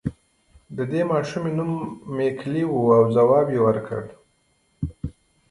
د دې ماشومې نوم ميکلي و او ځواب يې ورکړ.